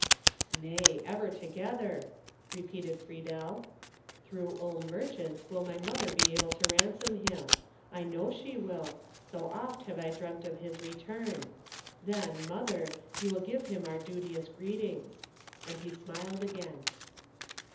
"Nay, ever together," repeated Friedel. "Through Ulm merchants will my mother be able to ransom him. I know she will, so oft have I dreamt of his return. Then, mother, you will give him our duteous greetings;" and he smiled again.